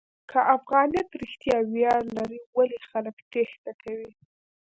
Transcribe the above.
که افغانیت رښتیا ویاړ لري، ولې خلک تېښته کوي؟